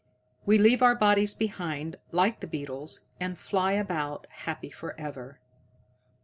We leave our bodies behind, like the beetles, and fly about happy for ever."